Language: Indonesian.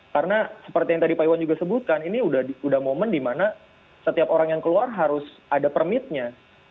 karena seperti yang tadi pak iwan juga sebutkan ini udah momen di mana setiap orang yang keluar harus ada permitnya